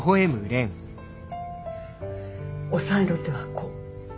押さえの手はこう。